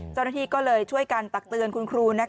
เจ้าหน้าที่ก็เลยช่วยกันตักเตือนคุณครู